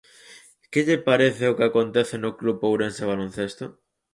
Que lle parece o que acontece co Club Ourense Baloncesto?